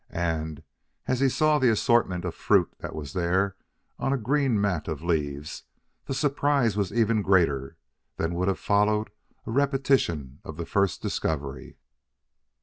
And, as he saw the assortment of fruit that was there on a green mat of leaves, the surprise was even greater than would have followed a repetition of the first discovery.